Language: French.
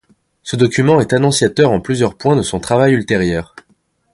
Ce document est annonciateur en plusieurs points de son travail ultérieur.